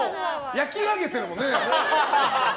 仕上げてるもんね。